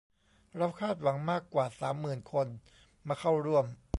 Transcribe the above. เราคาดหวังมากกว่าสามหมื่นคนมาเข้าร่วม